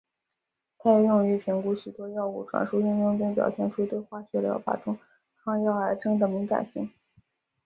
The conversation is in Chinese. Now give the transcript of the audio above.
它也用于评估许多药物传输应用并表现出对化学疗法中抗药癌症的敏感性。